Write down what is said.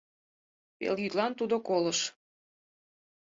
Пелйӱдлан тудо колыш.